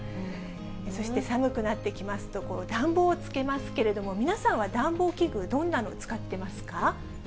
そして寒くなってきますと、暖房をつけますけれども、皆さんは暖房器具、どんなの使ってますか。